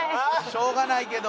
しょうがないけど。